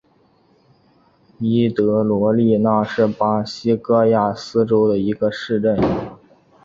伊德罗利纳是巴西戈亚斯州的一个市镇。